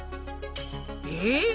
えっ！